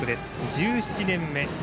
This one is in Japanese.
１７年目。